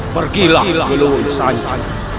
pergilah ke luar sana